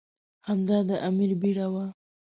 هغه د امیر بیړه وه.